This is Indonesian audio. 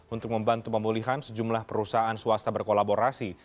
untuk membantu pemulihan sejumlah perusahaan swasta berkolaborasi